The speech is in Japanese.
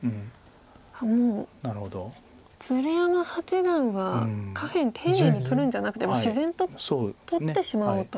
もう鶴山八段は下辺丁寧に取るんじゃなくて自然と取ってしまおうと。